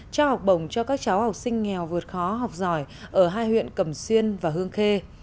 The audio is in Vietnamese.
trao học bổng cho các cháu học sinh nghèo vượt khó học giỏi ở hai huyện cẩm xuyên và hương khê